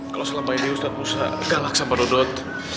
kalau selama ini ustadz galak sama dodot